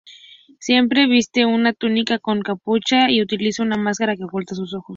Siempre viste una túnica con capucha y utiliza una máscara que oculta sus ojos.